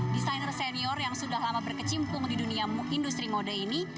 desainer senior yang sudah lama berkecimpung di dunia industri mode ini